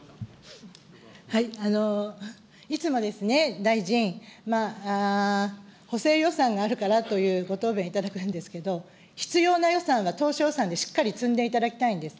いつもですね、大臣、補正予算があるからというご答弁いただくんですけど、必要な予算は当初予算でしっかり積んでいただきたいんです。